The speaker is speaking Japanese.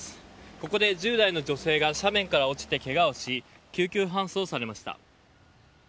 ここで１０代の女性が斜面から落ちてけがをし救急搬送されました。